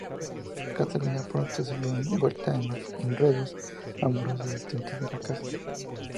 Catalina pronto se vio envuelta en los enredos amorosos existentes en la casa.